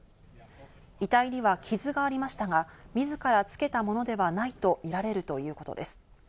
遺体には傷がありましたが、自らつけたものではないとみられるということです。